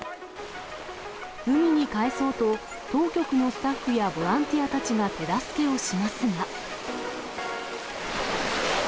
海に帰そうと、当局のスタッフやボランティアたちが手助けをしますが。